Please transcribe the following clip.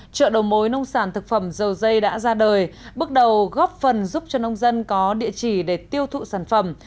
chợ đầu mối nông sản thực phẩm dầu dây đã ra đời bước đầu góp phần giúp cho nông dân có địa chỉ để tiêu thụ sản phẩm